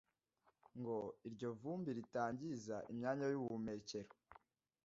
ngo iryo vumbi ritangiza imyanya y'ubuhumekero